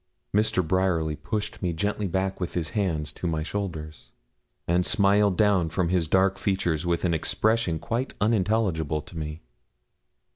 Mr. Bryerly pushed me gently back with his hands to my shoulders, and smiled down from his dark features with an expression quite unintelligible to me.